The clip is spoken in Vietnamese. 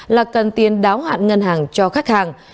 là cần tiền đáo hạn ngân hàng cho khách hàng